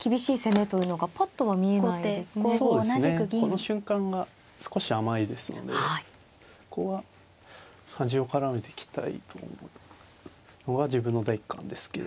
この瞬間が少し甘いですのでここは端を絡めていきたいと思うのが自分の第一感ですけど。